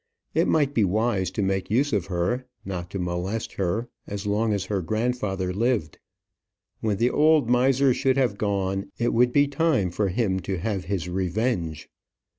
It might be wise to make use of her not to molest her, as long as her grandfather lived. When the old miser should have gone, it would be time for him to have his revenge.